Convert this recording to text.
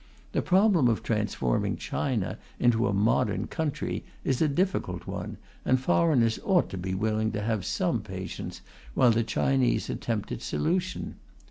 The problem of transforming China into a modern country is a difficult one, and foreigners ought to be willing to have some patience while the Chinese attempt its solution.